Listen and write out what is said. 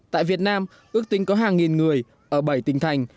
tại việt nam ước tính có hàng nghìn người ở bảy tỉnh thành